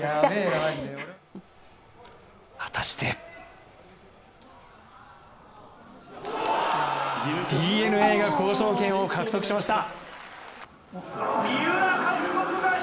果たしてＤｅＮＡが交渉権を獲得しました。